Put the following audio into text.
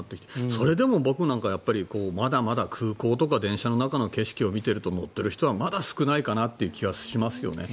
それでも僕なんかまだまだ空港とか電車の中の景色を見ていると乗っている人はまだ少ないかなと思います。